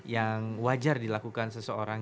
yang wajar dilakukan seseorang